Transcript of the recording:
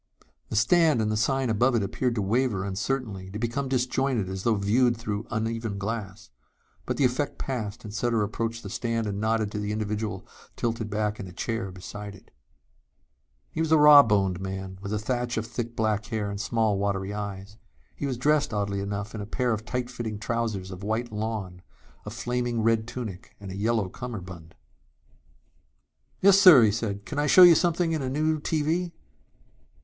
The stand and the sign above it appeared to waver uncertainly, to become disjointed as though viewed through uneven glass. But the effect passed and Sutter approached the stand and nodded to the individual tilted back in a chair beside it. He was a rawboned man with a thatch of thick black hair and small watery eyes. He was dressed, oddly enough, in a pair of tight fitting trousers of white lawn, a flaming red tunic and a yellow cummerbund. "Yes, sir," he said. "Can I show you something in a new TV?"